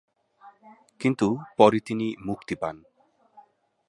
কিন্তু পরে তিনি মুক্তি পান।